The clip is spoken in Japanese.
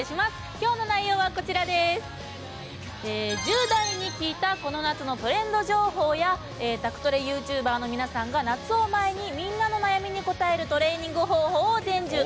きょうの内容は１０代に聞いたこの夏のトレンド情報や宅トレＹｏｕＴｕｂｅｒの皆さんが、夏を前にみんなの悩みに答えるトレーニング方法を伝授。